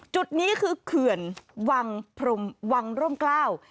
จุดนี้คือเผื่อนวังร่มกล้าว